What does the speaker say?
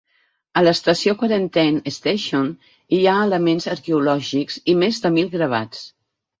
A l'estació Quarantine Station hi ha elements arqueològics i més de mil gravats.